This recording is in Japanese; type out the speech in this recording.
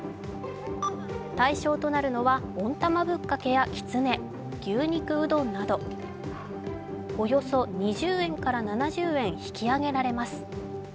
対象となるのは温玉ぶっかけやきつね、牛肉うどんなど、およそ２０円から７０円引き上げられます。